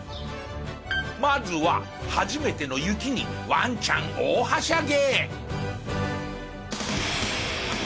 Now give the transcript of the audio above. まずは初めての雪にワンちゃん大はしゃぎ！